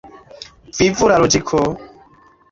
Vivu la logiko!